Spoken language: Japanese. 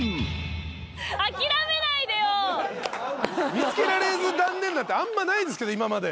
見つけられず断念なんてあんまないですけど今まで。